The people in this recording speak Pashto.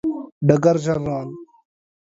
ډګر جنرال